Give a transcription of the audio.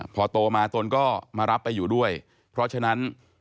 พอโตมาตนก็มารับไปอยู่ด้วยเพราะฉะนั้น